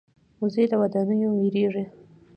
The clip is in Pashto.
وزې له ودانیو وېرېږي